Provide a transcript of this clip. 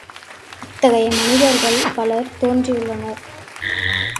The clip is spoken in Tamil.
இத்தகைய மனிதர்கள் பலர் தோன்றியுள்ளனர்.